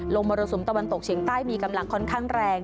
มรสุมตะวันตกเฉียงใต้มีกำลังค่อนข้างแรง